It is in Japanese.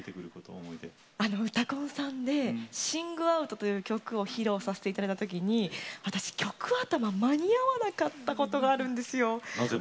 「うたコン」さんで「ＳｉｎｇＯｕｔ！」という曲を披露させていただいたとき私、曲頭間に合わなかったことがあるんですよ。